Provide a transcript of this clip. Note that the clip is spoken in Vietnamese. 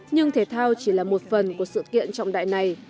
nhưng thể thao chỉ là một phần của sự kiện trọng đại này